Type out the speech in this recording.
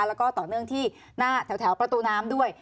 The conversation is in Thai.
แล้วก็ต่อเนื่องที่หน้าแถวประตูน้ำด้วย